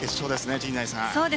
陣内さん。